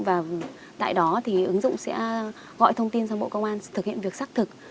và tại đó thì ứng dụng sẽ gọi thông tin sang bộ công an thực hiện việc xác thực